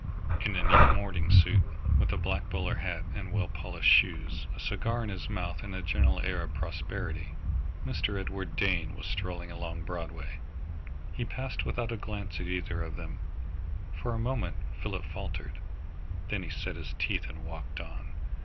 In a neat morning suit, with a black bowler hat and well polished shoes, a cigar in his mouth and a general air of prosperity, Mr. Edward Dane was strolling along Broadway. He passed without a glance at either of them. For a moment Philip faltered. Then he set his teeth and walked on.